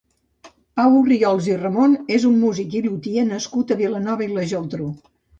Pau Orriols i Ramon és un músic i lutier nascut a Vilanova i la Geltrú.